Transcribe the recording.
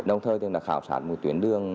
đồng thời khảo sát một tuyến đường